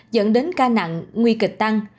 dẫn đến ca nặng nguy kịch tăng